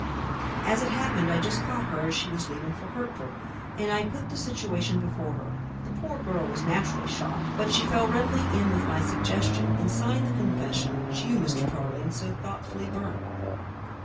"As it happened, I just caught her as she was leaving for Hertford, and I put the situation before her. The poor girl was naturally shocked, but she readily fell in with my suggestion and signed the confession which you, Mr. Tarling, so thoughtfully burnt."